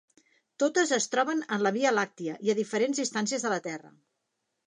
Totes es troben en la Via Làctia i a diferents distàncies de la Terra.